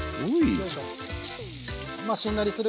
よいしょ。